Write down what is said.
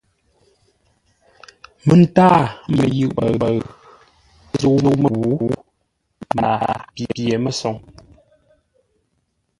Məntâa məyʉʼ mbəu məzəu-mə́ku mbaa pye məsoŋ.